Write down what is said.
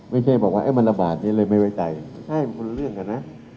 ไม่ใช่บอกว่ามันระบาดนี้เลยไม่ไว้ใจใช่คนละเรื่องกันนะ